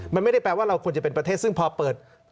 มันไม่ได้แปลว่าเราควรจะเป็นประเทศซึ่งพอเปิด